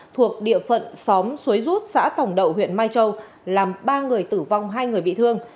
thuộc địa phận xóm xuối rút xã tổng đậu huyện mai châu làm ba người tử vong hai người bị thương